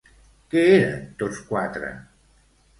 Què eren tots quatre?